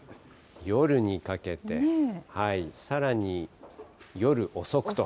夜にかけて、さらに夜遅くと。